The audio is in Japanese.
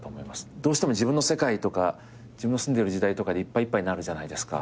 どうしても自分の世界とか自分の住んでる時代とかでいっぱいいっぱいになるじゃないですか。